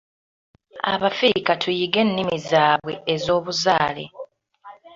Abafirika tuyige ennimi zaabwe ez'obuzaale.